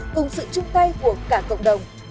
cùng sự chung tay của cả cộng đồng